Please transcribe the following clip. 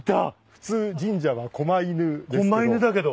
普通神社はこま犬ですけど。